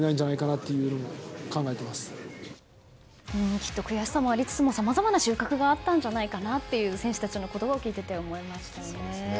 きっと悔しさもありつつもさまざまな収穫があったんじゃないかなと選手たちの言葉を聞いていて思いましたよね。